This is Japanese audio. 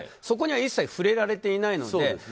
そこには一切触れられていないので。